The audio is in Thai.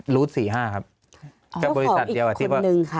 รูส๔๕ครับ